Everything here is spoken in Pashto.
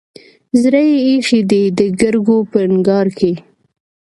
زړه يې ايښی دی دګرګو په انګار کې